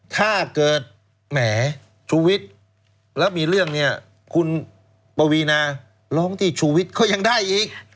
ถ้าเกิดแหมชุวิตและมีเรื่องนี้คุณปวีนาร้องที่ชุวิตก็ยังได้อีก